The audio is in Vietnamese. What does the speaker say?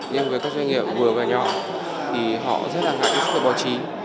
nhưng với các doanh nghiệp vừa và nhỏ thì họ rất là ngại với sự bỏ trí